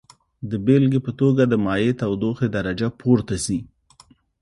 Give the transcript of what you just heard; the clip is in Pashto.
د بیلګې په توګه د مایع تودوخې درجه پورته ځي.